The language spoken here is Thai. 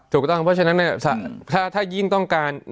ถูกต้องเพราะฉะนั้นถ้ายิ่งต้องการ